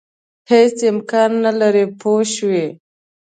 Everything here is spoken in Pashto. هېڅ امکان نه لري پوه شوې!.